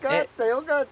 よかった！